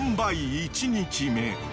１日目。